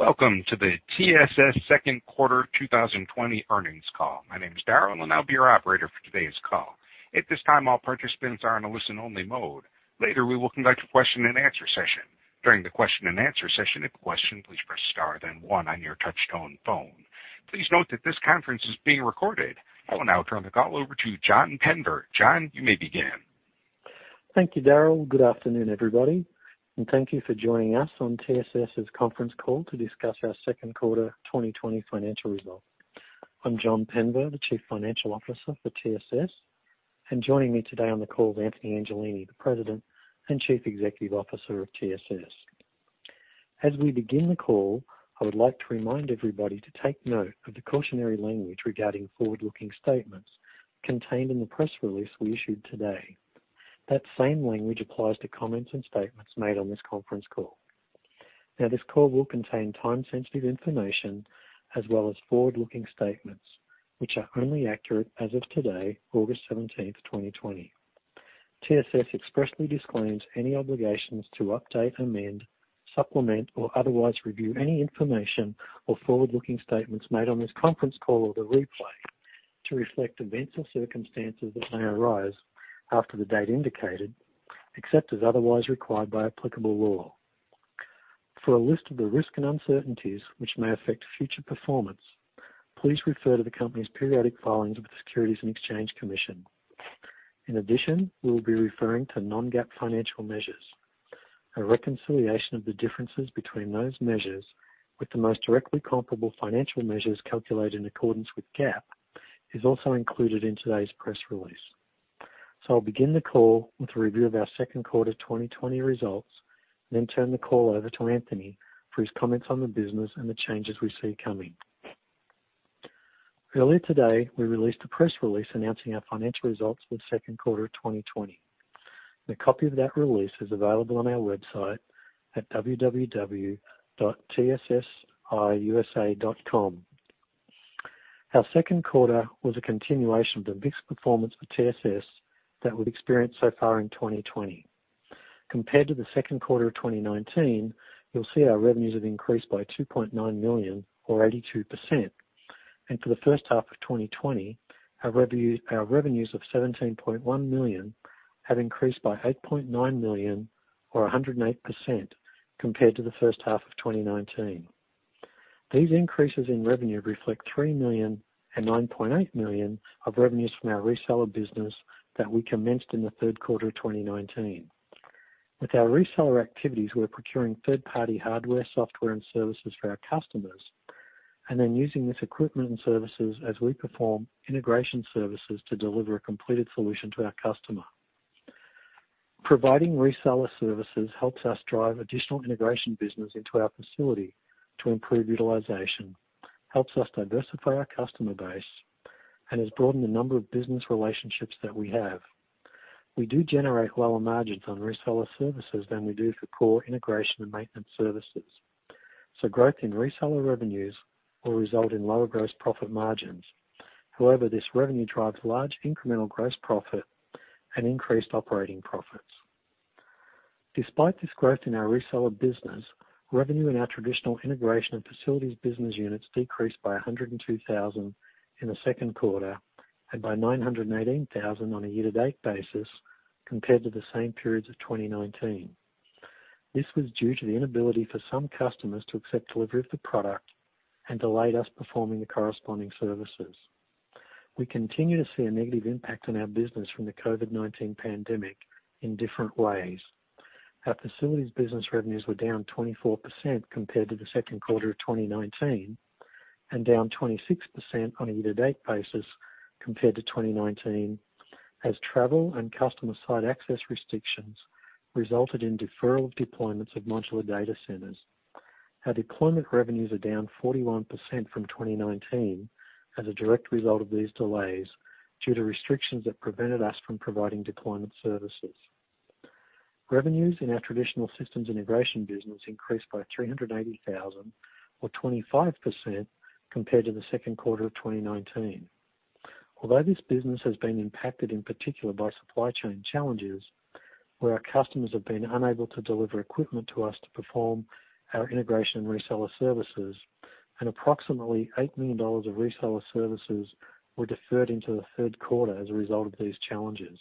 Welcome to the TSS second quarter 2020 earnings call. My name is Darryll, and I'll be your operator for today's call. At this time, all participants are in a listen-only mode. Later, we will conduct a question-and-answer session. During the question-and-answer session, if you have a question, please press star then one on your touch-tone phone. Please note that this conference is being recorded. I will now turn the call over to John Penver. John, you may begin. Thank you, Darryll. Good afternoon, everybody. And thank you for joining us on TSS's conference call to discuss our second quarter 2020 financial results. I'm John Penver, the Chief Financial Officer for TSS, and joining me today on the call is Anthony Angelini, the President and Chief Executive Officer of TSS. As we begin the call, I would like to remind everybody to take note of the cautionary language regarding forward-looking statements contained in the press release we issued today. That same language applies to comments and statements made on this conference call. Now, this call will contain time-sensitive information as well as forward-looking statements, which are only accurate as of today, August 17th, 2020. TSS expressly disclaims any obligations to update, amend, supplement, or otherwise review any information or forward-looking statements made on this conference call or the replay to reflect events or circumstances that may arise after the date indicated, except as otherwise required by applicable law. For a list of the risks and uncertainties which may affect future performance, please refer to the company's periodic filings with the Securities and Exchange Commission. In addition, we will be referring to non-GAAP financial measures. A reconciliation of the differences between those measures with the most directly comparable financial measures calculated in accordance with GAAP is also included in today's press release, so I'll begin the call with a review of our second quarter 2020 results, then turn the call over to Anthony for his comments on the business and the changes we see coming. Earlier today, we released a press release announcing our financial results for the second quarter of 2020. A copy of that release is available on our website at www.tssiusa.com. Our second quarter was a continuation of the mixed performance for TSS that we've experienced so far in 2020. Compared to the second quarter of 2019, you'll see our revenues have increased by $2.9 million, or 82%, and for the first half of 2020, our revenues of $17.1 million have increased by $8.9 million, or 108%, compared to the first half of 2019. These increases in revenue reflect $3 million and $9.8 million of revenues from our reseller business that we commenced in the third quarter of 2019. With our reseller activities, we're procuring third-party hardware, software, and services for our customers, and then using this equipment and services as we perform integration services to deliver a completed solution to our customer. Providing reseller services helps us drive additional integration business into our facility to improve utilization, helps us diversify our customer base, and has broadened the number of business relationships that we have. We do generate lower margins on reseller services than we do for core integration and maintenance services. So growth in reseller revenues will result in lower gross profit margins. However, this revenue drives large incremental gross profit and increased operating profits. Despite this growth in our reseller business, revenue in our traditional integration and facilities business units decreased by $102,000 in the second quarter and by $918,000 on a year-to-date basis compared to the same periods of 2019. This was due to the inability for some customers to accept delivery of the product and delayed us performing the corresponding services. We continue to see a negative impact on our business from the COVID-19 pandemic in different ways. Our facilities business revenues were down 24% compared to the second quarter of 2019 and down 26% on a year-to-date basis compared to 2019 as travel and customer-side access restrictions resulted in deferral of deployments of modular data centers. Our deployment revenues are down 41% from 2019 as a direct result of these delays due to restrictions that prevented us from providing deployment services. Revenues in our traditional systems integration business increased by 380,000, or 25%, compared to the second quarter of 2019. Although this business has been impacted in particular by supply chain challenges, where our customers have been unable to deliver equipment to us to perform our integration and reseller services, an approximately $8 million of reseller services were deferred into the third quarter as a result of these challenges.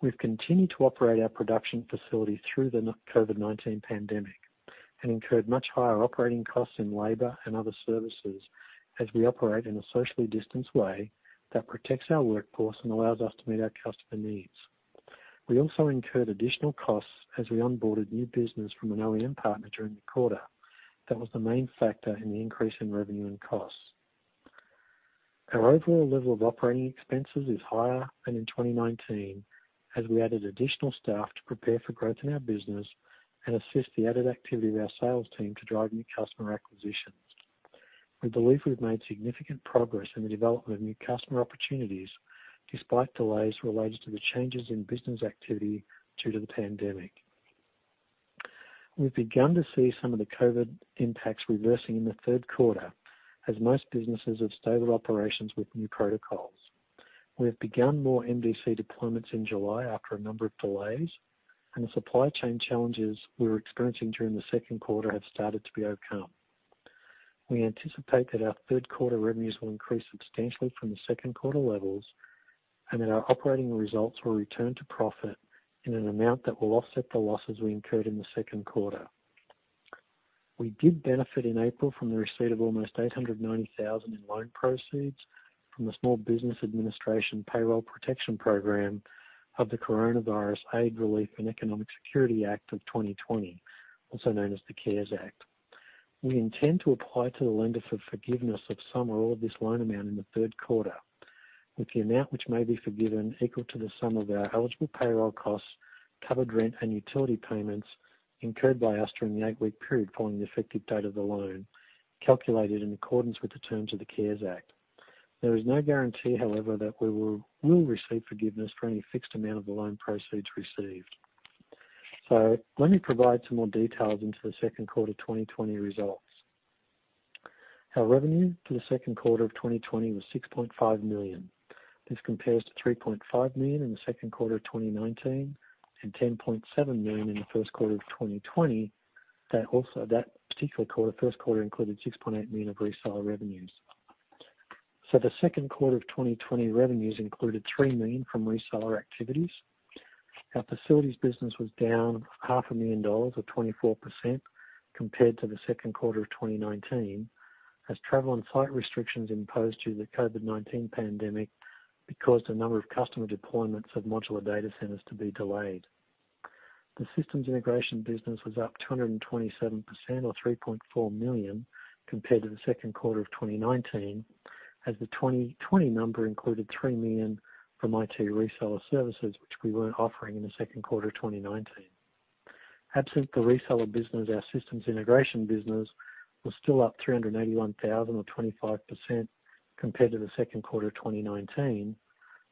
We've continued to operate our production facility through the COVID-19 pandemic and incurred much higher operating costs in labor and other services as we operate in a socially distanced way that protects our workforce and allows us to meet our customer needs. We also incurred additional costs as we onboarded new business from an OEM partner during the quarter. That was the main factor in the increase in revenue and costs. Our overall level of operating expenses is higher than in 2019 as we added additional staff to prepare for growth in our business and assist the added activity of our sales team to drive new customer acquisitions. We believe we've made significant progress in the development of new customer opportunities despite delays related to the changes in business activity due to the pandemic. We've begun to see some of the COVID impacts reversing in the third quarter as most businesses have stable operations with new protocols. We have begun more MDC deployments in July after a number of delays, and the supply chain challenges we were experiencing during the second quarter have started to be overcome. We anticipate that our third quarter revenues will increase substantially from the second quarter levels and that our operating results will return to profit in an amount that will offset the losses we incurred in the second quarter. We did benefit in April from the receipt of almost $890,000 in loan proceeds from the Small Business Administration Payroll Protection Program of the Coronavirus Aid, Relief, and Economic Security Act of 2020, also known as the CARES Act. We intend to apply to the lender for forgiveness of some or all of this loan amount in the third quarter, with the amount which may be forgiven equal to the sum of our eligible payroll costs, covered rent, and utility payments incurred by us during the eight-week period following the effective date of the loan, calculated in accordance with the terms of the CARES Act. There is no guarantee, however, that we will receive forgiveness for any fixed amount of the loan proceeds received. So let me provide some more details into the second quarter 2020 results. Our revenue for the second quarter of 2020 was $6.5 million. This compares to $3.5 million in the second quarter of 2019 and $10.7 million in the first quarter of 2020. That particular quarter, first quarter, included $6.8 million of reseller revenues. So the second quarter of 2020 revenues included $3 million from reseller activities. Our facilities business was down $500,000, or 24%, compared to the second quarter of 2019 as travel and flight restrictions imposed due to the COVID-19 pandemic caused a number of customer deployments of modular data centers to be delayed. The systems integration business was up 227%, or $3.4 million, compared to the second quarter of 2019 as the 2020 number included $3 million from IT reseller services, which we weren't offering in the second quarter of 2019. Absent the reseller business, our systems integration business was still up $381,000, or 25%, compared to the second quarter of 2019,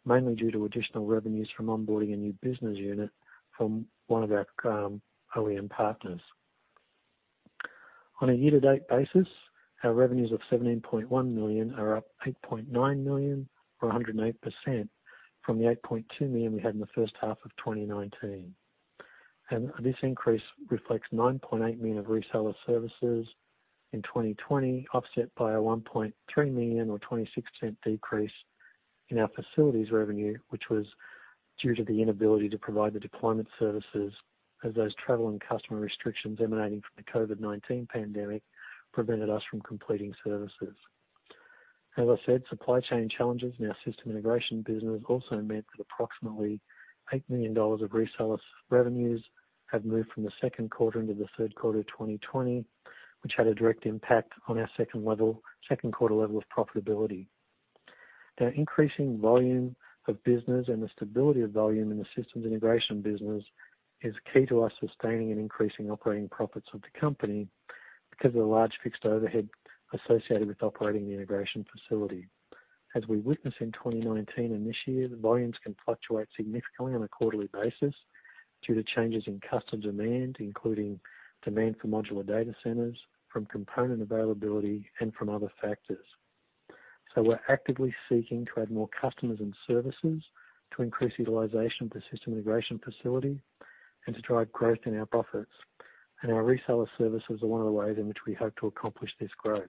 mainly due to additional revenues from onboarding a new business unit from one of our OEM partners. On a year-to-date basis, our revenues of $17.1 million are up $8.9 million, or 108%, from the $8.2 million we had in the first half of 2019. And this increase reflects $9.8 million of reseller services in 2020, offset by a $1.3 million, or 26%, decrease in our facilities revenue, which was due to the inability to provide the deployment services as those travel and customer restrictions emanating from the COVID-19 pandemic prevented us from completing services. As I said, supply chain challenges in our system integration business also meant that approximately $8 million of reseller revenues have moved from the second quarter into the third quarter of 2020, which had a direct impact on our second quarter level of profitability. The increasing volume of business and the stability of volume in the systems integration business is key to us sustaining and increasing operating profits of the company because of the large fixed overhead associated with operating the integration facility. As we witness in 2019 and this year, the volumes can fluctuate significantly on a quarterly basis due to changes in customer demand, including demand for modular data centers, from component availability, and from other factors. So we're actively seeking to add more customers and services to increase utilization of the system integration facility and to drive growth in our profits. And our reseller services are one of the ways in which we hope to accomplish this growth.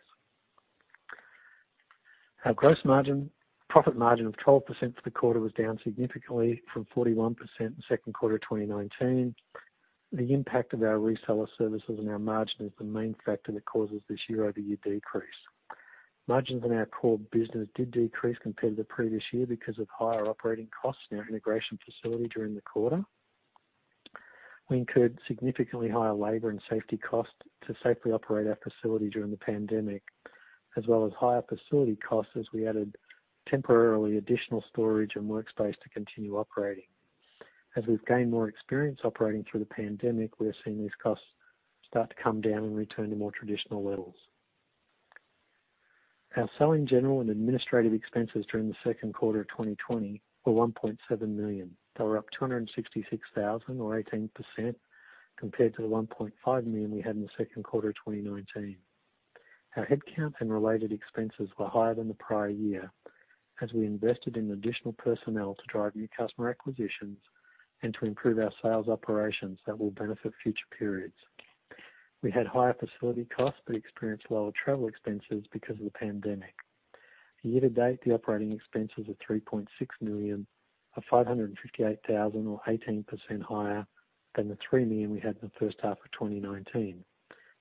Our gross profit margin of 12% for the quarter was down significantly from 41% in the second quarter of 2019. The impact of our reseller services and our margin is the main factor that causes this year-over-year decrease. Margins in our core business did decrease compared to the previous year because of higher operating costs in our integration facility during the quarter. We incurred significantly higher labor and safety costs to safely operate our facility during the pandemic, as well as higher facility costs as we added temporarily additional storage and workspace to continue operating. As we've gained more experience operating through the pandemic, we're seeing these costs start to come down and return to more traditional levels. Our selling general and administrative expenses during the second quarter of 2020 were $1.7 million. They were up $266,000, or 18%, compared to the $1.5 million we had in the second quarter of 2019. Our headcount and related expenses were higher than the prior year as we invested in additional personnel to drive new customer acquisitions and to improve our sales operations that will benefit future periods. We had higher facility costs but experienced lower travel expenses because of the pandemic. Year-to-date, the operating expenses are $3.6 million, or $558,000, or 18% higher than the $3 million we had in the first half of 2019.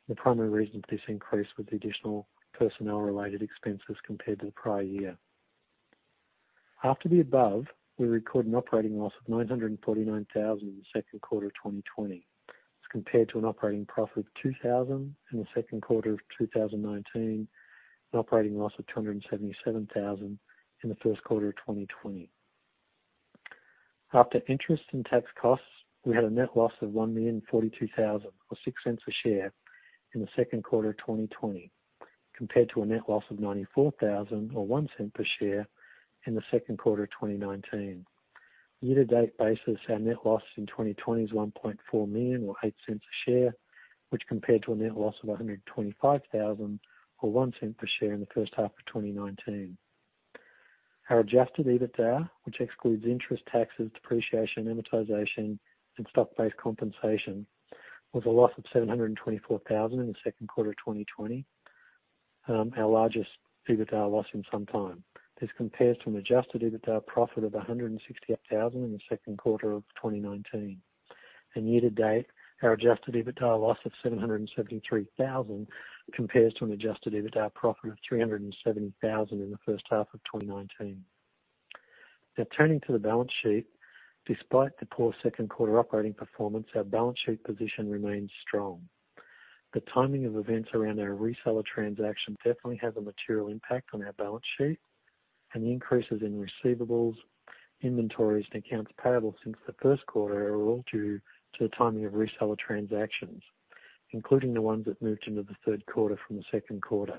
The primary reason for this increase was the additional personnel-related expenses compared to the prior year. After the above, we record an operating loss of $949,000 in the second quarter of 2020. It's compared to an operating profit of $2,000 in the second quarter of 2019 and operating loss of $277,000 in the first quarter of 2020. After interest and tax costs, we had a net loss of $1,042,000, or $0.06 a share in the second quarter of 2020, compared to a net loss of $94,000, or $0.01 per share in the second quarter of 2019. Year-to-date basis, our net loss in 2020 is $1.4 million, or $0.08 a share, which compared to a net loss of $125,000, or $0.01 per share in the first half of 2019. Our adjusted EBITDA, which excludes interest, taxes, depreciation, amortization, and stock-based compensation, was a loss of $724,000 in the second quarter of 2020, our largest EBITDA loss in some time. This compares to an adjusted EBITDA profit of $168,000 in the second quarter of 2019. And year-to-date, our adjusted EBITDA loss of $773,000 compares to an adjusted EBITDA profit of $370,000 in the first half of 2019. Now, turning to the balance sheet, despite the poor second quarter operating performance, our balance sheet position remains strong. The timing of events around our reseller transaction definitely has a material impact on our balance sheet, and the increases in receivables, inventories, and accounts payable since the first quarter are all due to the timing of reseller transactions, including the ones that moved into the third quarter from the second quarter.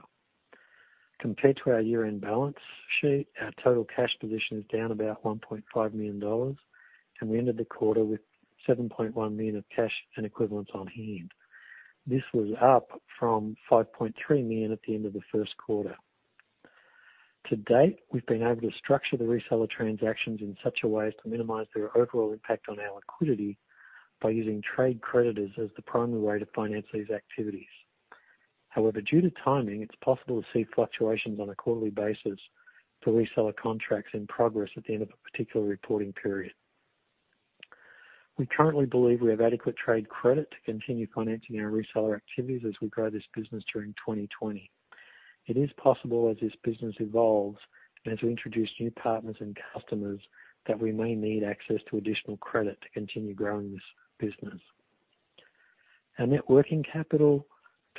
Compared to our year-end balance sheet, our total cash position is down about $1.5 million, and we ended the quarter with $7.1 million of cash and equivalents on hand. This was up from $5.3 million at the end of the first quarter. To date, we've been able to structure the reseller transactions in such a way as to minimize their overall impact on our liquidity by using trade creditors as the primary way to finance these activities. However, due to timing, it's possible to see fluctuations on a quarterly basis for reseller contracts in progress at the end of a particular reporting period. We currently believe we have adequate trade credit to continue financing our reseller activities as we grow this business during 2020. It is possible, as this business evolves and as we introduce new partners and customers, that we may need access to additional credit to continue growing this business. Our net working capital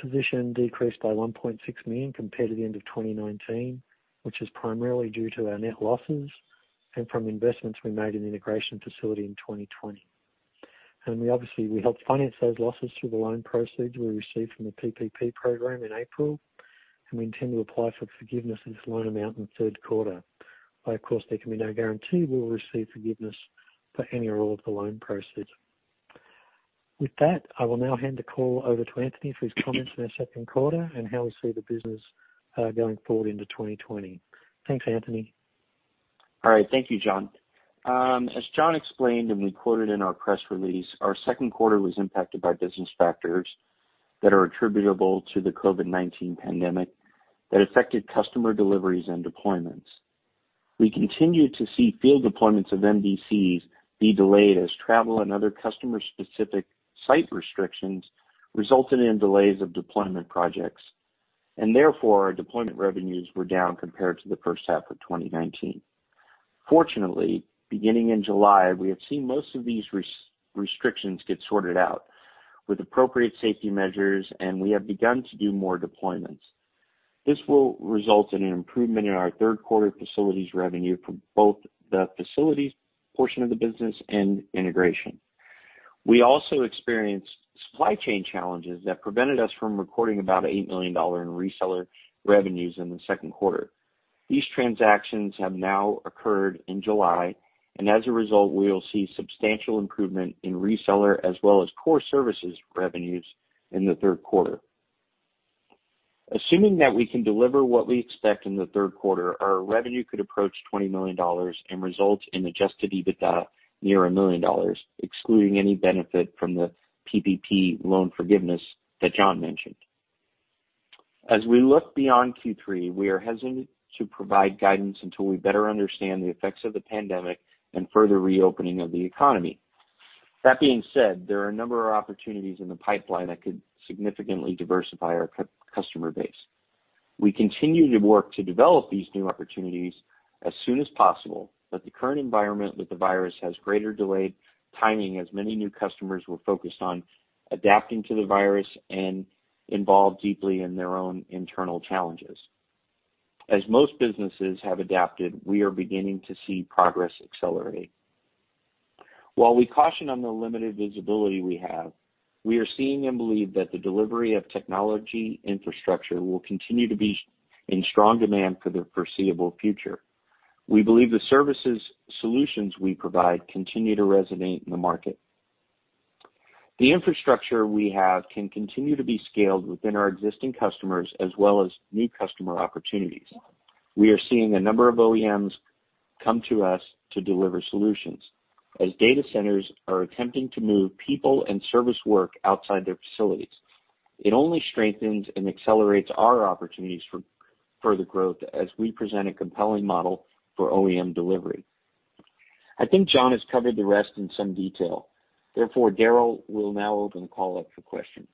position decreased by $1.6 million compared to the end of 2019, which is primarily due to our net losses and from investments we made in the integration facility in 2020. And obviously, we helped finance those losses through the loan proceeds we received from the PPP program in April, and we intend to apply for forgiveness of this loan amount in the third quarter. Of course, there can be no guarantee we will receive forgiveness for any or all of the loan proceeds. With that, I will now hand the call over to Anthony for his comments on our second quarter and how we see the business going forward into 2020. Thanks, Anthony. All right. Thank you, John. As John explained and reported in our press release, our second quarter was impacted by business factors that are attributable to the COVID-19 pandemic that affected customer deliveries and deployments. We continued to see field deployments of MDCs be delayed as travel and other customer-specific site restrictions resulted in delays of deployment projects, and therefore, our deployment revenues were down compared to the first half of 2019. Fortunately, beginning in July, we have seen most of these restrictions get sorted out with appropriate safety measures, and we have begun to do more deployments. This will result in an improvement in our third quarter facilities revenue for both the facilities portion of the business and integration. We also experienced supply chain challenges that prevented us from recording about $8 million in reseller revenues in the second quarter. These transactions have now occurred in July, and as a result, we will see substantial improvement in reseller as well as core services revenues in the third quarter. Assuming that we can deliver what we expect in the third quarter, our revenue could approach $20 million and result in Adjusted EBITDA near $1 million, excluding any benefit from the PPP loan forgiveness that John mentioned. As we look beyond Q3, we are hesitant to provide guidance until we better understand the effects of the pandemic and further reopening of the economy. That being said, there are a number of opportunities in the pipeline that could significantly diversify our customer base. We continue to work to develop these new opportunities as soon as possible, but the current environment with the virus has greatly delayed timing as many new customers were focused on adapting to the virus and involved deeply in their own internal challenges. As most businesses have adapted, we are beginning to see progress accelerate. While we caution on the limited visibility we have, we are seeing and believe that the delivery of technology infrastructure will continue to be in strong demand for the foreseeable future. We believe the services solutions we provide continue to resonate in the market. The infrastructure we have can continue to be scaled within our existing customers as well as new customer opportunities. We are seeing a number of OEMs come to us to deliver solutions. As data centers are attempting to move people and service work outside their facilities, it only strengthens and accelerates our opportunities for further growth as we present a compelling model for OEM delivery. I think John has covered the rest in some detail. Therefore, Darryll will now open the call up for questions.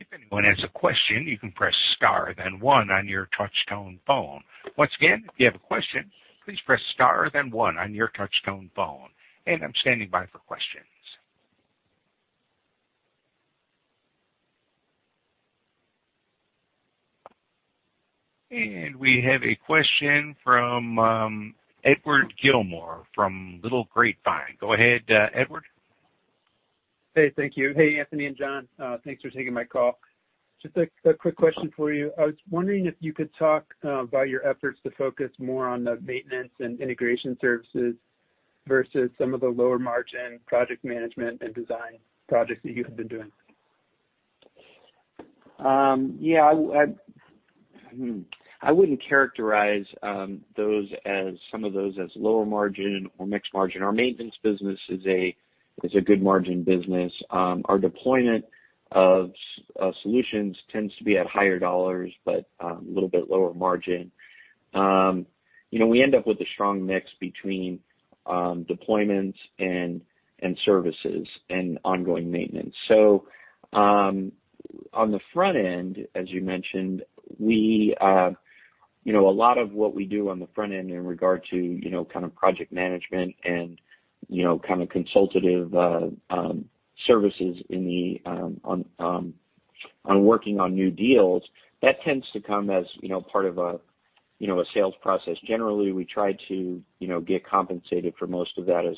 If anyone has a question, you can press star, then one on your touch-tone phone. Once again, if you have a question, please press star, then one on your touch-tone phone, and I'm standing by for questions, and we have a question from Edward Gilmore from Little Grapevine. Go ahead, Edward. Hey, thank you. Hey, Anthony and John. Thanks for taking my call. Just a quick question for you. I was wondering if you could talk about your efforts to focus more on the maintenance and integration services versus some of the lower-margin project management and design projects that you have been doing. Yeah. I wouldn't characterize some of those as lower-margin or mixed-margin. Our maintenance business is a good-margin business. Our deployment of solutions tends to be at higher dollars but a little bit lower margin. We end up with a strong mix between deployments and services and ongoing maintenance, so on the front end, as you mentioned, a lot of what we do on the front end in regard to kind of project management and kind of consultative services on working on new deals, that tends to come as part of a sales process. Generally, we try to get compensated for most of that as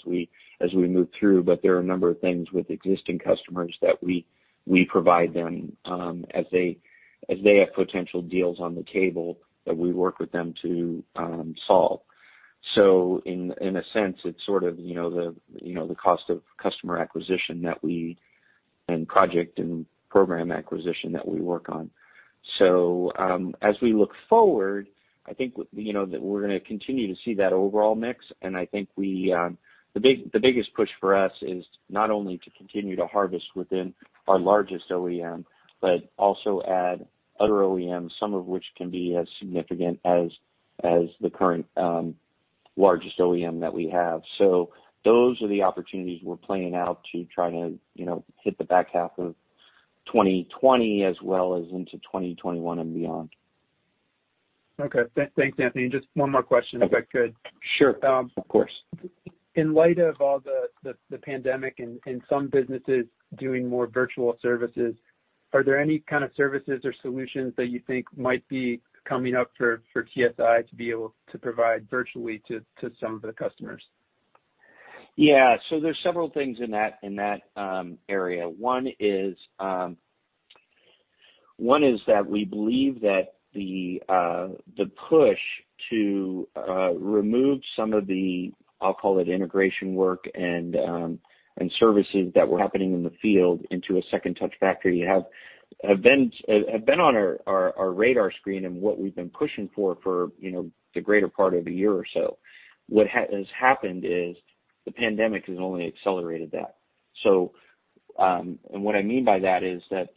we move through, but there are a number of things with existing customers that we provide them as they have potential deals on the table that we work with them to solve. So in a sense, it's sort of the cost of customer acquisition that we and project and program acquisition that we work on. So as we look forward, I think that we're going to continue to see that overall mix, and I think the biggest push for us is not only to continue to harvest within our largest OEM but also add other OEMs, some of which can be as significant as the current largest OEM that we have. So those are the opportunities we're playing out to try to hit the back half of 2020 as well as into 2021 and beyond. Okay. Thanks, Anthony. Just one more question if that's good. Sure. Of course. In light of all the pandemic and some businesses doing more virtual services, are there any kind of services or solutions that you think might be coming up for TSS to be able to provide virtually to some of the customers? Yeah. So there's several things in that area. One is that we believe that the push to remove some of the, I'll call it, integration work and services that were happening in the field into a second-touch factory have been on our radar screen and what we've been pushing for for the greater part of a year or so. What has happened is the pandemic has only accelerated that. And what I mean by that is that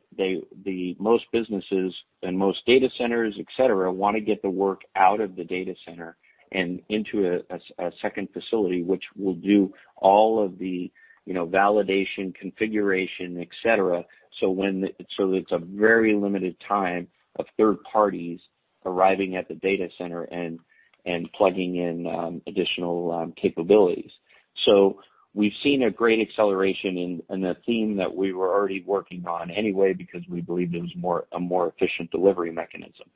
most businesses and most data centers, etc., want to get the work out of the data center and into a second facility, which will do all of the validation, configuration, etc., so it's a very limited time of third parties arriving at the data center and plugging in additional capabilities. So we've seen a great acceleration in the theme that we were already working on anyway because we believe there's a more efficient delivery mechanism.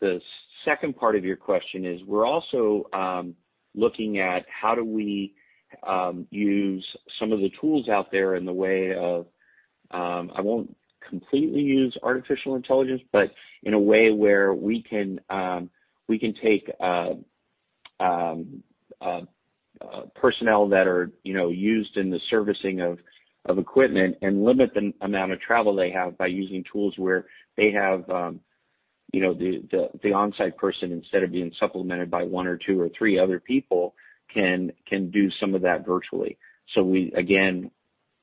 The second part of your question is we're also looking at how do we use some of the tools out there in the way of, I won't completely use artificial intelligence, but in a way where we can take personnel that are used in the servicing of equipment and limit the amount of travel they have by using tools where they have the on-site person, instead of being supplemented by one or two or three other people, can do some of that virtually. So we, again,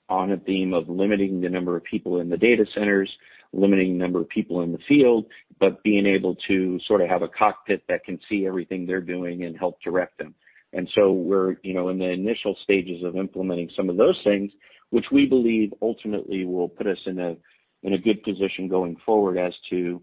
on a theme of limiting the number of people in the data centers, limiting the number of people in the field, but being able to sort of have a cockpit that can see everything they're doing and help direct them. We're in the initial stages of implementing some of those things, which we believe ultimately will put us in a good position going forward as to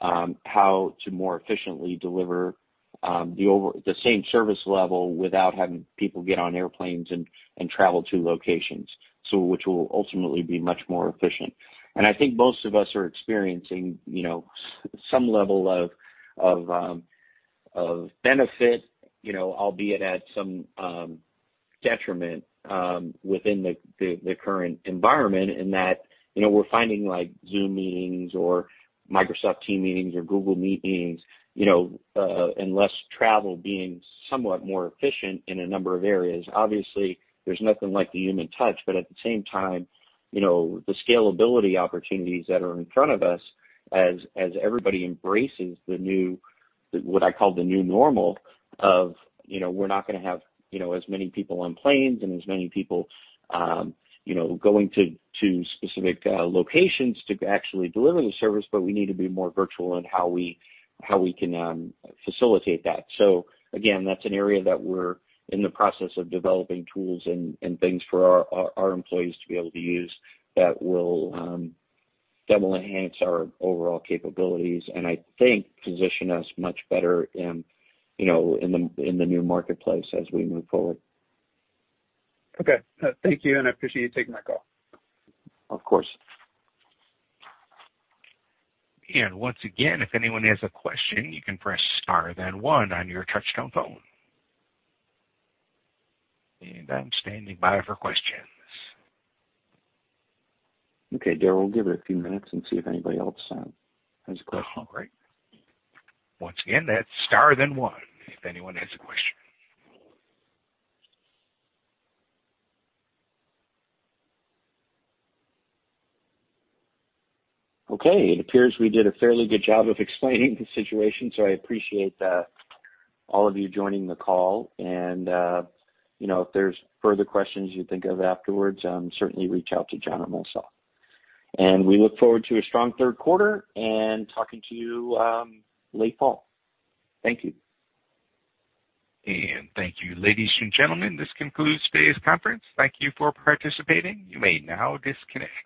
how to more efficiently deliver the same service level without having people get on airplanes and travel to locations, which will ultimately be much more efficient. I think most of us are experiencing some level of benefit, albeit at some detriment within the current environment in that we're finding Zoom meetings or Microsoft Teams meetings or Google meetings and less travel being somewhat more efficient in a number of areas. Obviously, there's nothing like the human touch, but at the same time, the scalability opportunities that are in front of us as everybody embraces what I call the new normal of we're not going to have as many people on planes and as many people going to specific locations to actually deliver the service, but we need to be more virtual in how we can facilitate that. So again, that's an area that we're in the process of developing tools and things for our employees to be able to use that will enhance our overall capabilities and I think position us much better in the new marketplace as we move forward. Okay. Thank you, and I appreciate you taking my call. Of course. And once again, if anyone has a question, you can press star, then one on your touch-tone phone. And I'm standing by for questions. Okay. Darryll, we'll give it a few minutes and see if anybody else has a question. All right. Once again, that's star, then one if anyone has a question. Okay. It appears we did a fairly good job of explaining the situation, so I appreciate all of you joining the call, and if there's further questions you think of afterwards, certainly reach out to John or myself, and we look forward to a strong third quarter and talking to you late fall. Thank you, and thank you, ladies and gentlemen. This concludes today's conference. Thank you for participating. You may now disconnect.